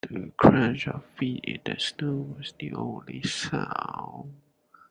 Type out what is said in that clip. The crunch of feet in the snow was the only sound.